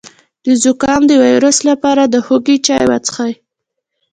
د زکام د ویروس لپاره د هوږې چای وڅښئ